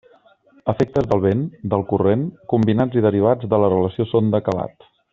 Efectes del vent, del corrent, combinats i derivats de la relació sonda calat.